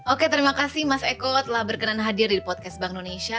oke terima kasih mas eko telah berkenan hadir di podcast bank indonesia